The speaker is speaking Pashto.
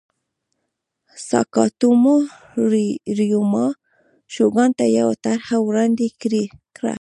ساکاتومو ریوما شوګان ته یوه طرحه وړاندې کړه.